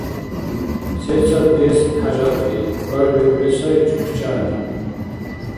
— Сецад гес хӀяжатли? — хьарбиули сай чукчани.